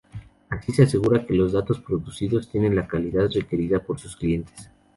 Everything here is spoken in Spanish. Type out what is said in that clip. Así se aseguran que los datos producidos tienen la calidad requerida por sus clientes.